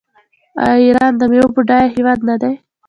آیا ایران د میوو بډایه هیواد نه دی؟